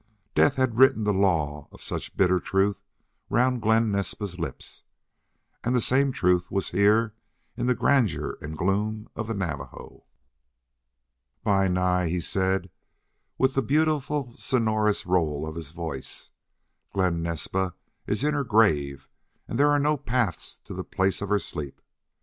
Death had written the law of such bitter truth round Glen Naspa's lips, and the same truth was here in the grandeur and gloom of the Navajo. "Bi Nai," he said, with the beautiful sonorous roll in his voice, "Glen Naspa is in her grave and there are no paths to the place of her sleep.